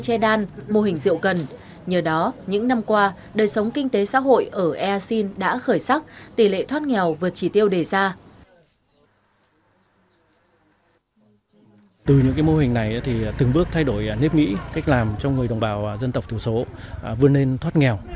từ những mô hình này thì từng bước thay đổi nếp nghĩ cách làm cho người đồng bào dân tộc thủ số vươn lên thoát nghèo